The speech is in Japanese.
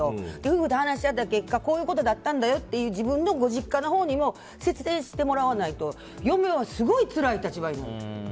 夫婦で話し合った結果こういうことだったんだよと自分のご実家のほうにも説明してもらわないと嫁はすごいつらい立場になる。